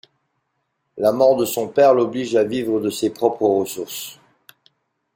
La mort de son père l'oblige à vivre de ses propres ressources.